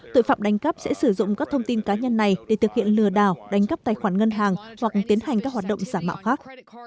tội phạm đánh cắp sẽ sử dụng các thông tin cá nhân này để thực hiện lừa đảo đánh cắp tài khoản ngân hàng hoặc tiến hành các hoạt động giả mạo khác